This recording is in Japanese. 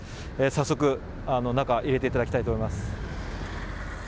早速、中、入れていただきたいと思います。